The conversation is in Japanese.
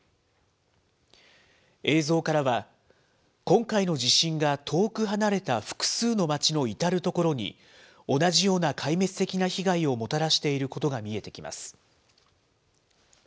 映像からは、今回の地震が遠く離れた複数の街の至る所に、同じような壊滅的な被害をもたらしていることが見えてきます。